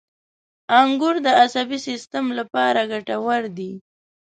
• انګور د عصبي سیستم لپاره ګټور دي.